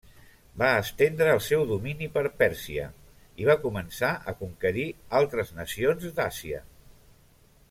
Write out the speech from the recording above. Va estendre el seu domini per Pèrsia i va començar a conquerir altres nacions d'Àsia.